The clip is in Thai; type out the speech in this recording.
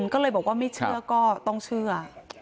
ก็เลยบอกว่าไม่เชื่อก็ต้องเชื่อ